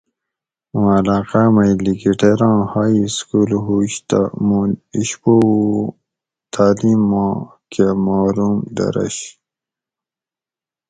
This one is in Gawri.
موں علاقاۤ مئی لِکیٹیراں ہائی سکول ہوش تہ مُوں اِشپوؤ تعلیم ما کا محروم دۤھرش